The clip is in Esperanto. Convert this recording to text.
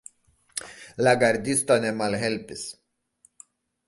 La gardisto ne malhelpis.